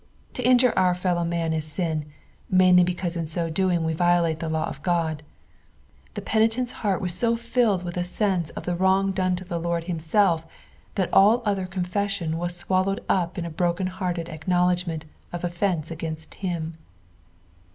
To injure our fellow men is uu, mainly because in so doing we violate the law of Qod. The penitent's heart was so flllod with a sense of Ihe wrong done to the Loid himself, Chat all other confession was sivallowed up in a broken hearted ac knowledgment of offence against him.